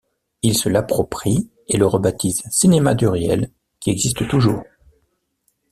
Ils se l'approprient et le rebaptisent Cinéma du réel qui existe toujours.